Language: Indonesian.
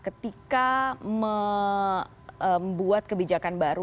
ketika membuat kebijakan baru